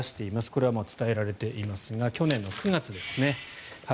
これは伝えられていますが去年９月ですね。